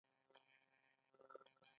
د ایران کانونه ډیر بډایه دي.